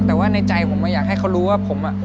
แต่ว่าในใจผมอยากให้เขารู้ว่าผม